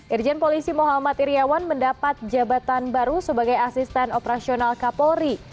irjen polisi muhammad iryawan mendapat jabatan baru sebagai asisten operasional kapolri